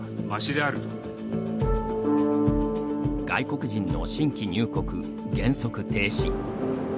外国人の新規入国、原則停止。